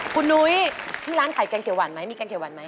คุณนุ้ยที่ร้านขายแกงเขียวหวานไหมมีแกงเขียวหวานไหม